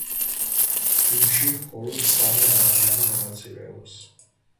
ფილმში მხოლოდ სამი ადამიანი მონაწილეობს.